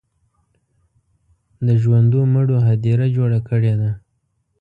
د ژوندو مړیو هدیره جوړه کړې ده.